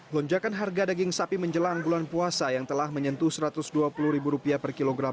lonjakan harga daging sapi menjelang bulan puasa yang telah menyentuh satu ratus dua puluh rupiah per kilogram